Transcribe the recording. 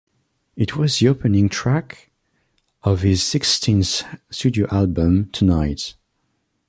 It was the opening track to his sixteenth studio album "Tonight".